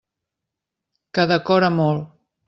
Que decora molt.